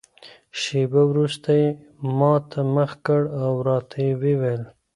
شېبه وروسته یې ما ته مخ کړ او راته ویې ویل.